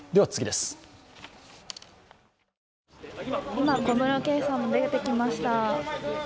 今、小室圭さんが出てきました。